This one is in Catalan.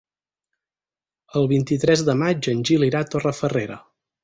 El vint-i-tres de maig en Gil irà a Torrefarrera.